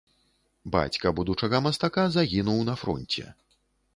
Бацька будучага мастака загінуў на фронце.